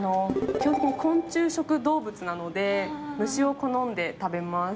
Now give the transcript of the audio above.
基本的に昆虫食動物なので虫を好んで食べます。